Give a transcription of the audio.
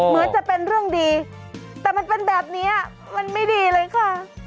เหมือนจะเป็นเรื่องดีแต่มันเป็นแบบนี้มันไม่ดีเลยค่ะ